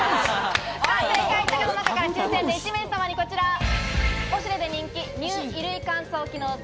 正解した方の中から抽選で１名様にこちら、ポシュレで人気に「Ｎｅｗ衣類乾燥機能付